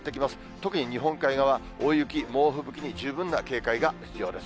特に日本海側、大雪、猛吹雪に十分な警戒が必要です。